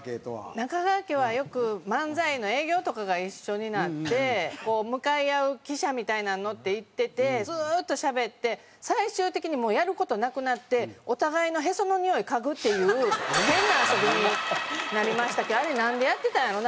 中川家はよく漫才の営業とかが一緒になって向かい合う汽車みたいなん乗って行っててずっとしゃべって最終的にもうやる事なくなってお互いのヘソのにおい嗅ぐっていう変な遊びになりましたけどあれなんでやってたんやろな？